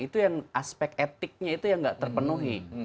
itu aspek etiknya itu yang gak terpenuhi